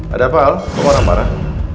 ada apa al kamu orang parah